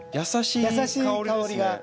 優しい香りが。